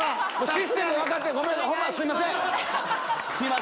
システム分かってないホンマすいません！